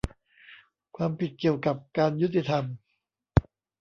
ความผิดเกี่ยวกับการยุติธรรม